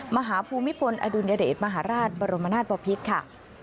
ภูมิพลอดุลยเดชมหาราชบรมนาศบพิษค่ะ